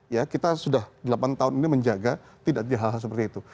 ya kita sudah delapan tahun ini menjaga tidak hal hal seperti itu